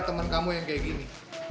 temen kamu yang kayak gini